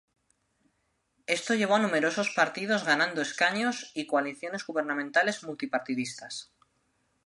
Esto llevó a numerosos partidos ganando escaños y coaliciones gubernamentales multipartidistas.